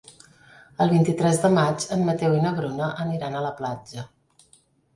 El vint-i-tres de maig en Mateu i na Bruna aniran a la platja.